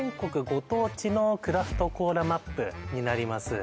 ご当地のクラフトコーラマップになります